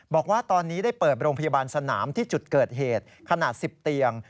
บอกว่าตอนนี้ได้เปิดโรงพยาบาลสนามที่จุดเกิดเหตุขนาด๑๐เตียง